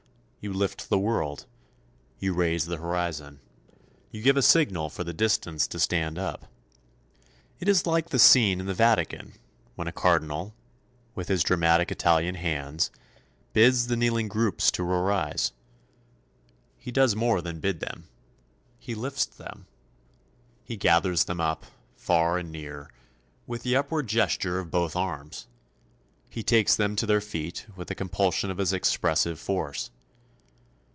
You lift the world, you raise the horizon; you give a signal for the distance to stand up. It is like the scene in the Vatican when a Cardinal, with his dramatic Italian hands, bids the kneeling groups to arise. He does more than bid them. He lifts them, he gathers them up, far and near, with the upward gesture of both arms; he takes them to their feet with the compulsion of his expressive force.